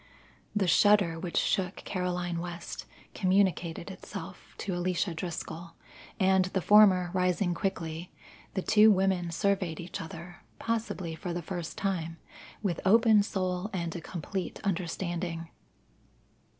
The shudder which shook Caroline West communicated itself to Alicia Driscoll, and the former rising quickly, the two women surveyed each other, possibly for the first time, with open soul and a complete understanding.